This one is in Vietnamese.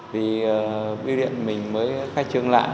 vì biêu điện mình mới khai trương lại